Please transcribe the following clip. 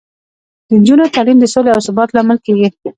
د نجونو تعلیم د سولې او ثبات لامل کیږي.